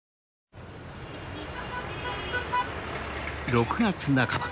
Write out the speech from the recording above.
６月半ば。